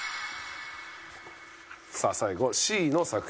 さあ最後はＣの作品。